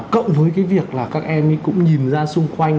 cộng với cái việc là các em ấy cũng nhìn ra xung quanh